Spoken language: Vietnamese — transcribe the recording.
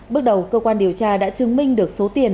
bước đầu cơ quan điều tra đã chứng minh được số tiền